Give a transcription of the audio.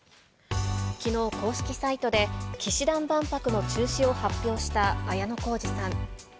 きのう、公式サイトで氣志團万博の中止を発表した綾小路さん。